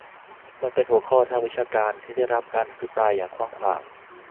มันเป็นหัวข้อทางวิชาการที่ได้รับการอภิปรายอย่างกว้างขวาง